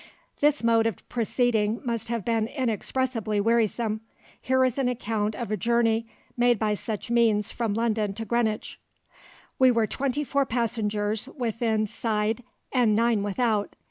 This mode of proceeding must have been inexpressibly wearisome; here is an account of a journey made by such means from London to Greenwich— "We were twenty four passengers within side and nine without.